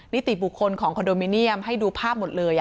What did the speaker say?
นิติบุคคลของคอนโดมิเนียมให้ดูภาพหมดเลย